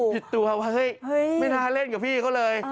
ผิดตัวว่าเฮ้ยไม่น่าเล่นกับพี่เขาเลย